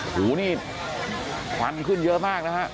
หูนี่ควันขึ้นเยอะมากนะฮะ